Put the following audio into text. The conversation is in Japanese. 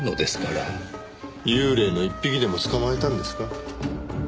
幽霊の一匹でも捕まえたんですか？